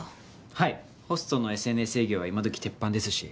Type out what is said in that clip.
はいホストのＳＮＳ営業は今どき鉄板ですし。